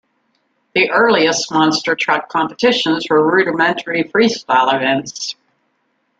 The earliest monster truck competitions were rudimentary freestyle events.